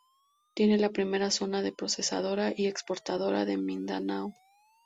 Tiene la primera zona de procesadora y exportadora de Mindanao.